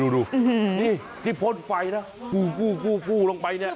นี่ที่พ่นไฟนะฟู้ลงไปเนี่ย